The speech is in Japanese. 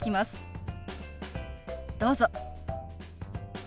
どうぞ。